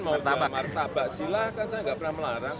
mau jualan martabak silahkan saya nggak pernah melarang